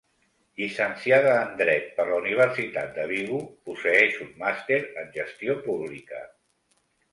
Llicenciada en Dret per la Universitat de Vigo, posseeix un màster en gestió pública.